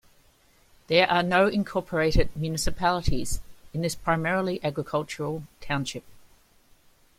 There are no incorporated municipalities in this primarily agricultural township.